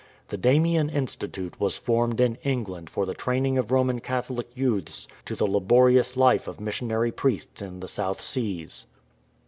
The Damien Institute was formed in England for the training of Roman Catholic youths to the laborious life of missionary priests in the South Seas.